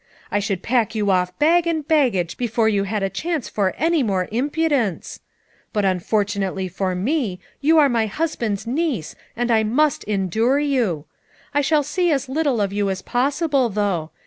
I should pack you off bag and baggage before you had a chance for any more impudence. But unfor tunately for me you are my husband's niece and I must endure you; I shall see as little of you as possible, though.